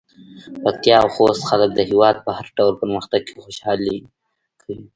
پکتيا او خوست خلک د هېواد په هر ډول پرمختګ کې خوشحالي کوي.